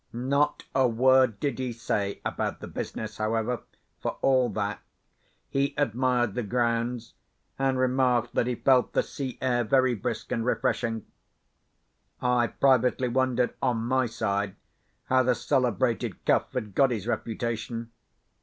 Not a word did he say about the business, however, for all that. He admired the grounds, and remarked that he felt the sea air very brisk and refreshing. I privately wondered, on my side, how the celebrated Cuff had got his reputation.